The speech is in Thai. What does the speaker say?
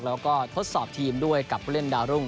แล้วก็ทดสอบทีมด้วยกับผู้เล่นดาวรุ่ง